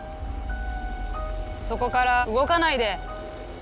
そこから動かないで！」。